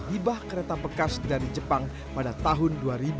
hibah kereta bekas dari jepang pada tahun dua ribu